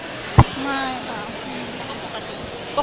ปกติใช่ค่ะ